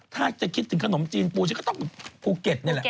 ถ้าจะคิดถึงขนมจีนปูฉันก็ต้องภูเก็ตนี่แหละ